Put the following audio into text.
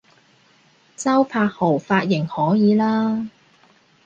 周柏豪髮型可以喇